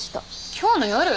今日の夜？